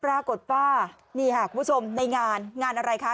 ปรากฏว่านี่ค่ะคุณผู้ชมในงานงานอะไรคะ